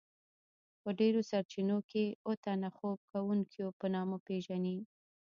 په ډیرو سرچینو کې اوه تنه خوب کوونکيو په نامه پیژني.